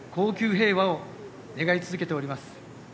平和を願い続けております。